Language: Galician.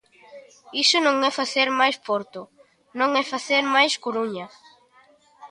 Iso non é facer máis porto, non é facer máis Coruña.